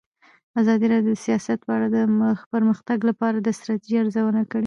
ازادي راډیو د سیاست په اړه د پرمختګ لپاره د ستراتیژۍ ارزونه کړې.